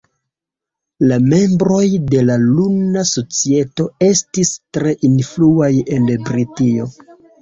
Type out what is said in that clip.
La membroj de la Luna Societo estis tre influaj en Britio.